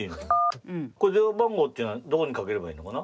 これ電話番号っていうのはどこにかければいいのかな？